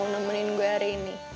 nemenin gue hari ini